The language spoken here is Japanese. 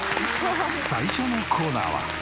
最初のコーナーは。